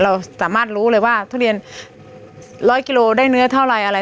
เราสามารถรู้เลยว่าทุเรียน๑๐๐กิโลได้เนื้อเท่าไรอะไร